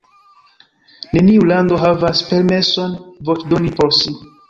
Neniu lando havas permeson voĉdoni por si.